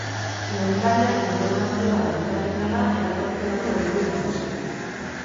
Egunkariak informazioa herritarrengana helaraztea du helburu nagusi.